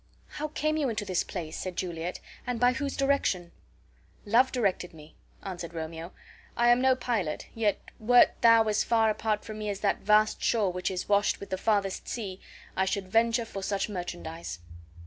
"How came you into this place," said Juliet, "and by whose direction?" "Love directed me," answered Romeo. "I am no pilot, yet 'wert thou as far apart from me as that vast shore which is washed with the farthest sea, I should venture for such merchandise."